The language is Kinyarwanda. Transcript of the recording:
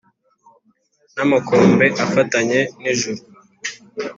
n’amakombe afatanye n’ijuru